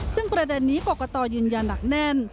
ซึ่งประเด็นนี้กรกตยืนยันหนักแน่น